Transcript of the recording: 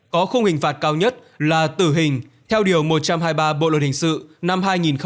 có khung hình phạt cao nhất là tử hình theo điều một trăm hai mươi ba bộ luật hình sự năm hai nghìn một mươi năm